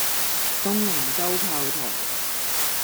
東龍洲炮台